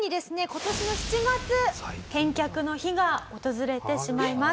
今年の７月返却の日が訪れてしまいます。